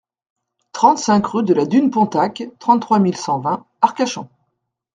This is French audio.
trente-cinq rue de la Dune Pontac, trente-trois mille cent vingt Arcachon